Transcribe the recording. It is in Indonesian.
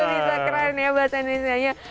sudah bisa keren ya bahasa indonesianya